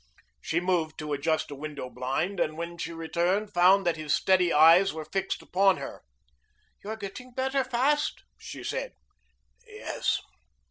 She moved to adjust a window blind and when she returned found that his steady eyes were fixed upon her. "You're getting better fast," she said. "Yes."